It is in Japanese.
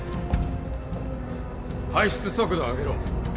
排出速度を上げろ。